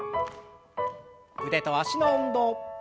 腕と脚の運動。